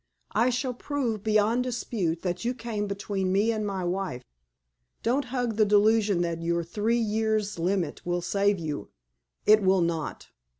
I shall prove beyond dispute that you came between me and my wife. Don't hug the delusion that your three years' limit will save you. It will not.